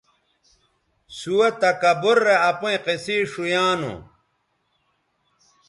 سُوہ تکبُر رے اپئیں قصے ݜؤیانوں